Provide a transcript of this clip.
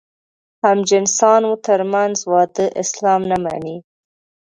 همجنسانو تر منځ واده اسلام نه مني.